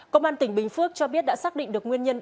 công an tỉnh bình phước cho biết đã xác định được nguyên nhân